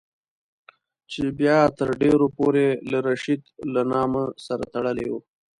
چې بیا تر ډېرو پورې له رشید له نامه سره تړلی وو.